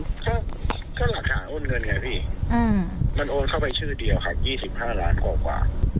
ก็หลักฐานโอนเงินไงพี่มันโอนเข้าไปชื่อเดียวครับ๒๕ล้านกว่า